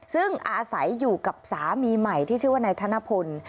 ซึ่งอาศัยอยู่กับสามีใหม่ที่ชื่อว่านายธนพล